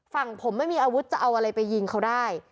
ฝั่งผมไม่มีอาวุธจะเอาอะไรไปยิงเขาได้